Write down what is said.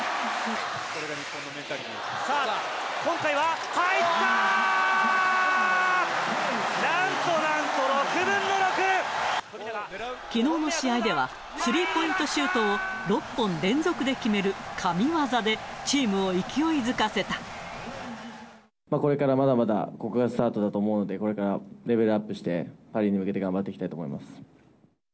さあ、今回は、きのうの試合では、スリーポイントシュートを６本連続で決める神技でチームを勢いづこれからまだまだ、ここがスタートだと思うので、これからレベルアップして、パリに向けて頑張っていきたいと思います。